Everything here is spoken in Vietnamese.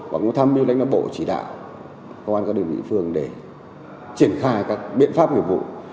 và ngũ thăm như lãnh đạo bộ chỉ đạo công an các địa phương để triển khai các biện pháp nghiệp vụ